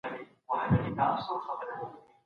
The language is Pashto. باورونه زموږ هويت ټاکي.